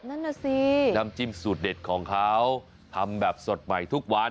นั่นน่ะสิน้ำจิ้มสูตรเด็ดของเขาทำแบบสดใหม่ทุกวัน